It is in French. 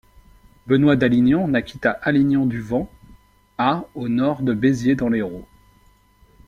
Benoît d’Alignan naquit à Alignan-du-Vent à au nord de Béziers dans l’Hérault.